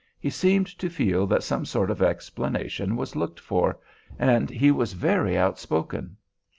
He seemed to feel that some sort of explanation was looked for, and he was very outspoken.